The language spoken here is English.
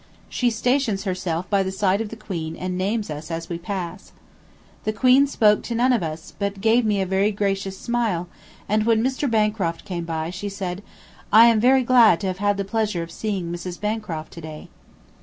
She stations herself by the side of the Queen and names us as we pass. The Queen spoke to none of us, but gave me a very gracious smile, and when Mr. Bancroft came by, she said: "I am very glad to have had the pleasure of seeing Mrs. Bancroft to day."